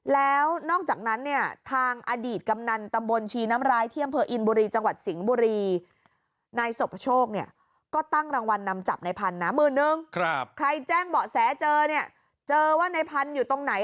ในแจ้งเบาะแสเจอเนี่ยเจอว่าในพันธุ์อยู่ตรงไหน